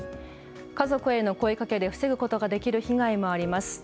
家族への声かけで防ぐことのできる被害もあります。